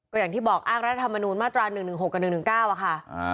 ก็อย่างที่บอกอ้างรัฐธรรมนูลมาตรา๑๑๖กับ๑๑๙อะค่ะ